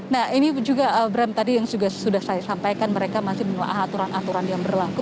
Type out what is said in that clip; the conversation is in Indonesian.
nah ini juga bram tadi yang sudah saya sampaikan mereka masih menelaah aturan aturan yang berlaku